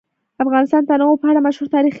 افغانستان د تنوع په اړه مشهور تاریخی روایتونه لري.